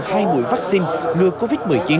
hai mũi vaccine ngừa covid một mươi chín